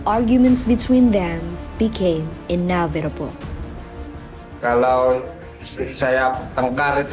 argumen antara mereka menjadi tidak terkait